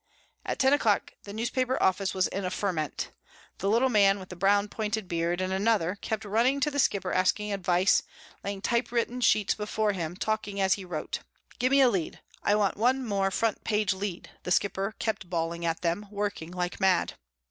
At ten o'clock the newspaper office was in a ferment. The little man with the brown pointed beard, and another, kept running to The Skipper asking advice, laying typewritten sheets before him, talking as he wrote. "Give me a lead. I want one more front page lead," The Skipper kept bawling at them, working like mad.